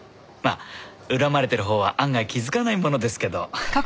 まあ恨まれてるほうは案外気づかないものですけど。